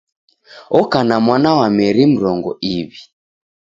Oka na mwana wa meri mrongo iw'i.